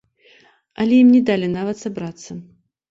Але ім не далі нават сабрацца.